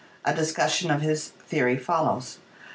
A discussion of his theory follows.